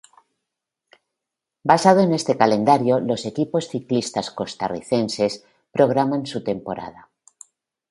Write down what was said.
Basado en este calendario los equipos ciclistas costarricenses programan su temporada.